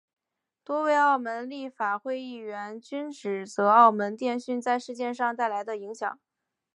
多位澳门立法会议员均指责澳门电讯在事件上带来的影响。